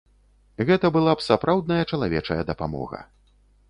Гэта была б сапраўдная чалавечая дапамога.